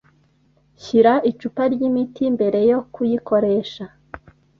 Shyira icupa ryimiti mbere yo kuyikoresha.